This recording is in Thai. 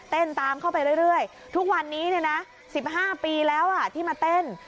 ตามเข้าไปเรื่อยทุกวันนี้๑๕ปีแล้วที่มาเต้น